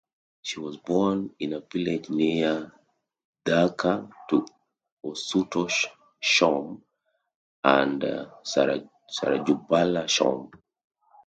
She was born in a village near Dhaka to Asutosh Shome and Sarajubala Shome.